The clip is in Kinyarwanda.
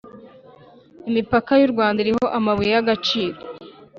imipaka y urwanda iriho amabuye y agaciro